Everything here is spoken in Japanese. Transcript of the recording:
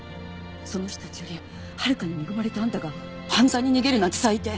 その人たちよりはるかに恵まれたあんたが犯罪に逃げるなんて最低。